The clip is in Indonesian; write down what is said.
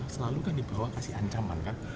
selalu kan dibawa kasih ancaman kan